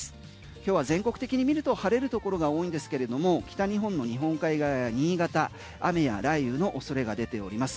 今日は全国的に見ると晴れるところが多いんですけれど北日本の日本海側や新潟雨や雷雨の恐れが出ております。